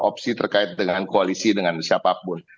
opsi terkait dengan koalisi dengan siapapun